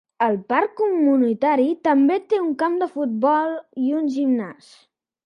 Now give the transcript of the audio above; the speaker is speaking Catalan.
El parc comunitari també té un camp de futbol i un gimnàs.